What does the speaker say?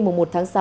một một tháng sáu